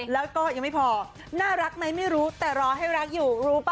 แล้วก็ยังไม่พอน่ารักไหมไม่รู้แต่รอให้รักอยู่รู้ป่